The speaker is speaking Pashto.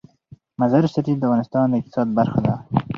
مزارشریف د افغانستان د اقتصاد برخه ده.